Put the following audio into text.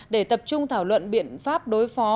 để tập trung thảo luận biện pháp đối phó